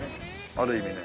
ある意味ね。